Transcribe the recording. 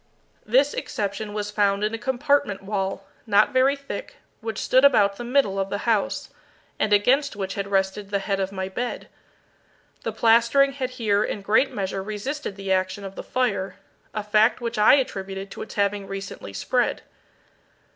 This exception was found in a compartment wall, not very thick, which stood about the middle of the house, and against which had rested the head of my bed. The plastering had here in great measure resisted the action of the fire, a fact which I attributed to its having recently spread.